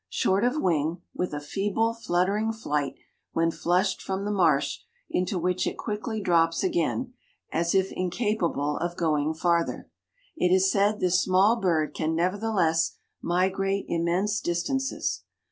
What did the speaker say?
Short of wing, with a feeble, fluttering flight when flushed from the marsh, into which it quickly drops again, as if incapable of going farther, it is said this small bird can nevertheless migrate immense distances.